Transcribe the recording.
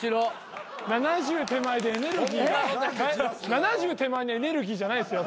７０手前のエネルギーじゃないですよ。